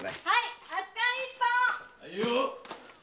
はい！